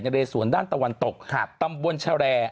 ในเรศวรด้านตะวันตกตำบวนชะแร่